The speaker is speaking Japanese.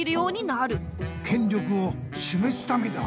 権力をしめすためだ。